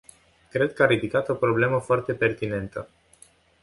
Cred că a ridicat o problemă foarte pertinentă.